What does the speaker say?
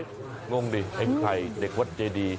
ไม่ง่งดิไอ้ไข่เด็กวัดเจดี